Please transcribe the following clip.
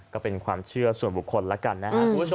ก็เป็นความเชื่อส่วนบุคคลแล้วกันนะครับ